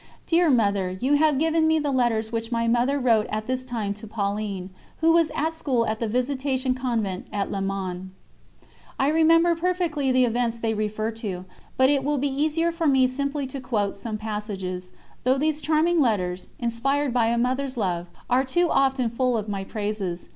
Dear Mother, you have given me the letters which my Mother wrote at this time to Pauline, who was at school at the Visitation Convent at Le Mans. I remember perfectly the events they refer to, but it will be easier for me simply to quote some passages, though these charming letters, inspired by a Mother's love, are too often full of my praises.